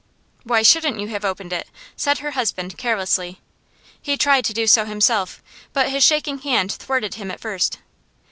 'Why shouldn't you have opened it?' said her husband, carelessly. He tried to do so himself, but his shaking hand thwarted him at first.